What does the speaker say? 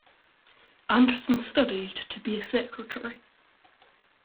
Anderson studied to be a secretary.